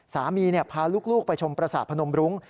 พาลูกไปชมประสาทพนมรุ้ง